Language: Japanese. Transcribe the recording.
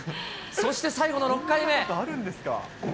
そして最後の６回目。